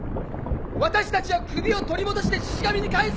私たちは首を取り戻してシシ神に返す！